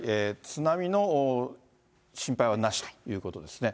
津波の心配はなしということですね。